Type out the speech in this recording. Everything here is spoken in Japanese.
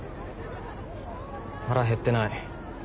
腹減ってない。